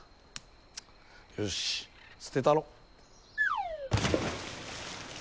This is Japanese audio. よし捨てたろ。